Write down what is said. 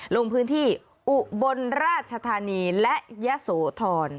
ลงพื้นที่อุบลราชธานีและยะโสธร